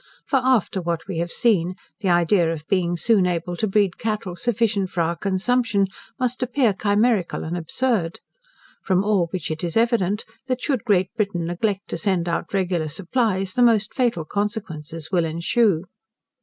For after what we have seen, the idea of being soon able to breed cattle sufficient for our consumption, must appear chimerical and absurd. From all which it is evident, that should Great Britain neglect to send out regular supplies, the most fatal consequences will ensue.